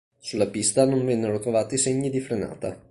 Sulla pista non vennero trovati segni di frenata.